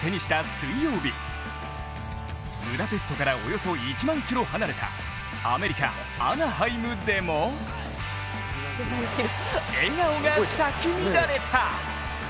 水曜日ブタペストからおよそ１万キロ離れたアメリカ・アナハイムでも笑顔が咲き乱れた。